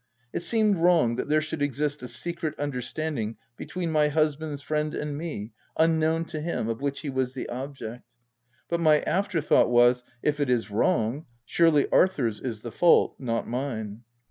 It seemed wrong that there should exist a secret understanding between my husband's friend and me, unknown to him, of which he was the object But my after thought was, "If it is wrong, surely Arthurs is the fault, not mine.